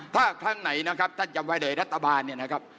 ถ้าครั้งไหนนะครับท่านจำไว้เลยรัฐบาลเนี่ยนะครับ